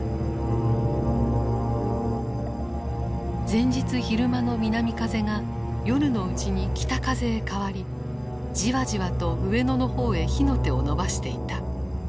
前日昼間の南風が夜のうちに北風へ変わりじわじわと上野の方へ火の手を伸ばしていた。